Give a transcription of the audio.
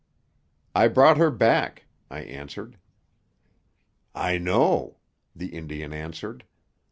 "I brought her back," I answered. "I know," the Indian answered.